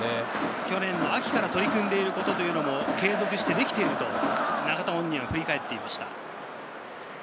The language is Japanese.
去年の秋から取り組んでいることも継続してできていると中田本人も振り返っていました。